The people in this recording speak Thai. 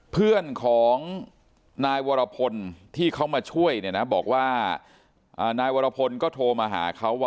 เพื่อนของนายวรพลที่เขามาช่วยเนี่ยนะบอกว่านายวรพลก็โทรมาหาเขาว่า